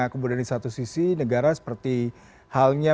kemudian di satu sisi negara seperti halnya